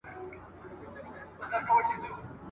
او هوسناکه انځور سوې ده